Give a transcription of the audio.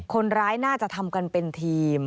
คนร้ายน่าจะทำกันเป็นทีม